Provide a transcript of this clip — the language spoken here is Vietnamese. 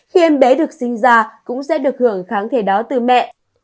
khi em bé được sinh ra cũng sẽ được hưởng kháng thể đó từ mẹ